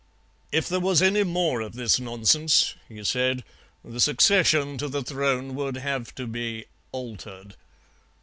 If there was any more of this nonsense, he said, the succession to the throne would have to be altered.